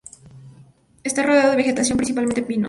Está rodeado de vegetación, principalmente pinos.